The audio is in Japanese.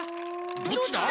どっちだ？